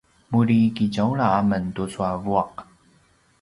muri kitjaula amen tucu a vuaq